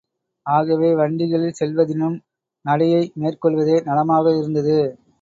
ஆகவே, வண்டிகளில் செல்வதினும் நடையை மேற்கொள்வதே நலமாக இருந்தது.